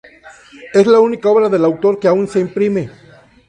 Es la única obra del autor que aún se imprime.